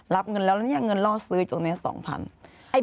รับเงินแล้วแล้วเนี่ยเงินล่อซื้ออยู่ตรงนี้๒๐๐บาท